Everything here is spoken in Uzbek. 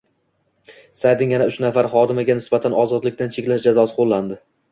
Saytning yana uch nafar xodimiga nisbatan ozodlikdan cheklash jazosi qo‘llanildi